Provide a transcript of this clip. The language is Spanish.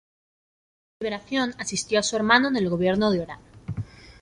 Tras su liberación asistió a su hermano en el gobierno de Orán.